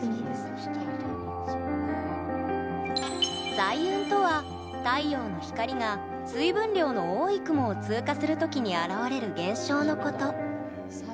彩雲とは、太陽の光が水分量の多い雲を通過する時に現れる現象のこと。